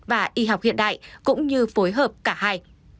và y học hiện đại cũng như phối hợp cả hai